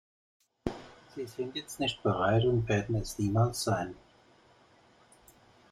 Sie sind jetzt nicht bereit und werden es niemals sein.